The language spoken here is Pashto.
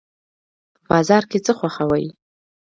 په بازار کې څه خوښوئ؟